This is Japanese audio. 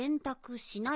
しない？